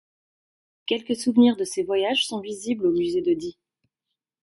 Quelques souvenirs de ses voyages sont visibles au Musée de Die.